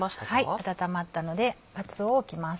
はい温まったのでかつおを置きます。